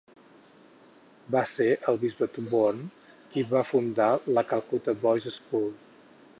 Va ser el bisbe Thoburn qui va fundar la Calcutta Boys' School.